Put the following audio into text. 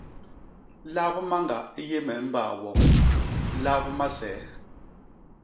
Lap mañga i yé me i mbaa wom; lap masee;